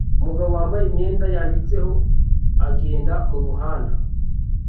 Umugore wambaye imyenda yanditseho agenda mumuhanda